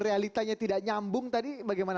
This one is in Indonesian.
realitanya tidak nyambung tadi bagaimana